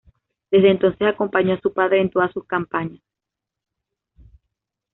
Desde entonces acompañó a su padre en todas sus campañas.